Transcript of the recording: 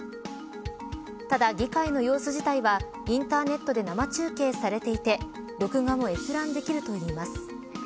ただ、議会の様子自体はインターネットで生中継されていて録画も閲覧できるといいます。